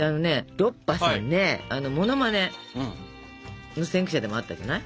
ロッパさんねモノマネの先駆者でもあったじゃない？